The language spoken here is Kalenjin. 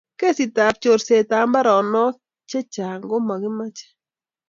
kesit abchorset ab mbaronok che chang komakimaet